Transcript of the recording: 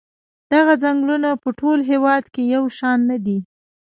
دغه څنګلونه په ټول هېواد کې یو شان نه دي.